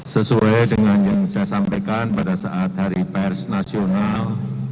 sesuai dengan yang saya sampaikan pada saat hari pers nasional